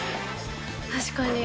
確かに。